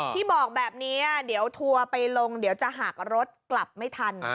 ที่บอกแบบนี้เดี๋ยวทัวร์ไปลงเดี๋ยวจะหักรถกลับไม่ทัน